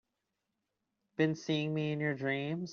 Been seeing me in your dreams?